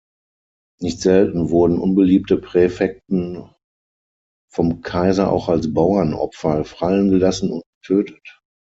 Nicht selten wurden unbeliebte Präfekten vom Kaiser auch als Bauernopfer fallengelassen und getötet.